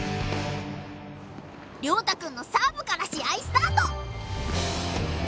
凌大くんのサーブから試合スタート！